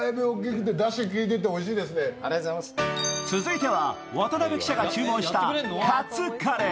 続いては渡辺記者が紹介したカツカレー。